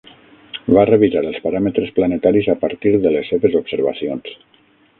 Va revisar els paràmetres planetaris a partir de les seves observacions.